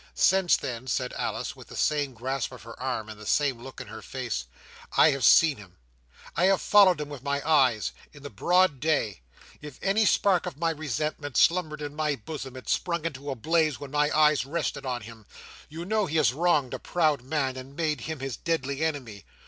"Since then," said Alice, with the same grasp of her arm, and the same look in her face, "I have seen him! I have followed him with my eyes. In the broad day. If any spark of my resentment slumbered in my bosom, it sprung into a blaze when my eyes rested on him. You know he has wronged a proud man, and made him his deadly enemy.